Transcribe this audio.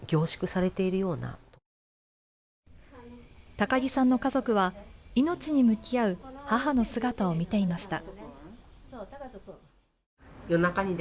高木さんの家族は命に向き合う母の姿を見ていました。